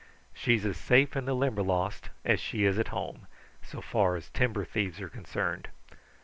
She's as safe in the Limberlost as she is at home, so far as timber thieves are concerned.